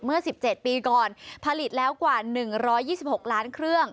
เมื่อ๑๗ปีก่อนผลิตแล้วกว่า๑๒๖ล้านเครื่อง